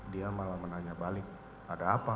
dia malah menanya balik ada apa